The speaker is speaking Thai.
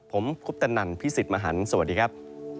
ผมคุปตนันพี่สิทธิ์มหันฯสวัสดีครับ